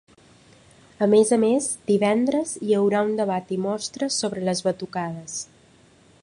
A més a més, divendres hi haurà un debat i mostra sobre les batucades.